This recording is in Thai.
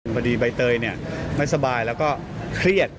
พอดีใบเตยเนี่ยไม่สบายแล้วก็เครียด